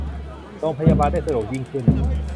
โรงพยาบาลได้สะดวกยิ่งขึ้น